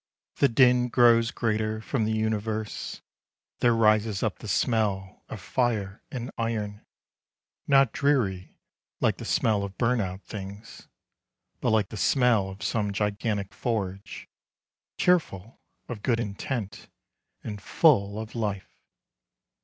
— The din grows greater from the universe : There rises up the smell of fire and iron, — Not dreary like the smell of burnt out things, But like the smell of some gigantic forge — Cheerful, of good intent, and full of life.